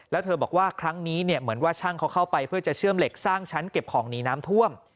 แล้วเธอบอกว่าครั้งนี้เนี่ยเหมือนว่าช่างเขาเข้าไปเพื่อจะเชื่อมเหล็กสร้างชั้นเก็บของหนีน้ำท่วม